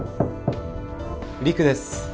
陸です。